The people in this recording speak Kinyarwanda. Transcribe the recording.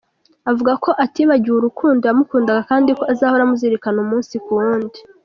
Avuga ko atibagiwe urukundo yamukandaga kandi ko azahora amuzirikana umunsi kuwundi.